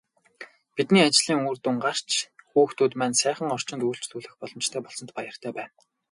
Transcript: Бидний ажлын үр дүн гарч, хүүхдүүд маань сайхан орчинд үйлчлүүлэх боломжтой болсонд баяртай байна.